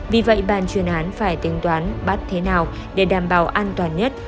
vì vậy bàn chuyên án phải tính toán bắt thế nào để đảm bảo an toàn nhất